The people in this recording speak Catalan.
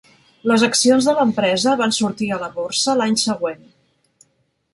Les accions de l'empresa van sortir a la borsa l'any següent.